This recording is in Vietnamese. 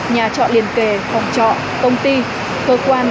nhà trọ liền kề phòng trọ công ty cơ quan